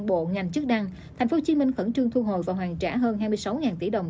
bộ ngành chức năng tp hcm khẩn trương thu hồi và hoàn trả hơn hai mươi sáu tỷ đồng